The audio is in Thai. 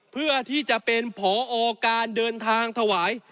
เพื่อที่จะเป็นผอการเดินทางถวาย